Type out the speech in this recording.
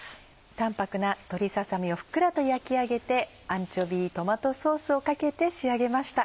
淡泊な鶏ささ身をふっくらと焼き上げてアンチョビートマトソースをかけて仕上げました。